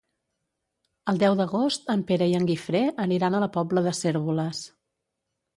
El deu d'agost en Pere i en Guifré aniran a la Pobla de Cérvoles.